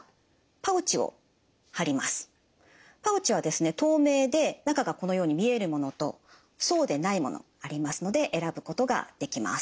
パウチは透明で中がこのように見えるものとそうでないものありますので選ぶことができます。